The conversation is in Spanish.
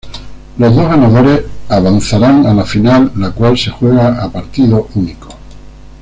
Los dos ganadores avanzarán a la final la cual se juega a partido único.